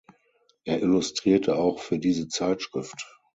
Er illustrierte auch für diese Zeitschrift.